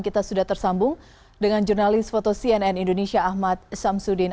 kita sudah tersambung dengan jurnalis foto cnn indonesia ahmad samsudin